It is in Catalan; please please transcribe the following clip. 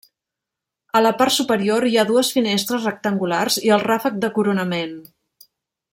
A la part superior hi ha dues finestres rectangulars i el ràfec de coronament.